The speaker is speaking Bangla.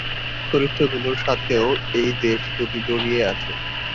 চরিত্রগুলোর সাথেও এই দেশ দুটি জড়িয়ে আছে।